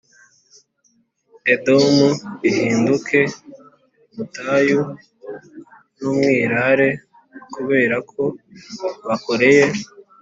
Edomu ihinduke ubutayu n umwirare kubera ko bakoreye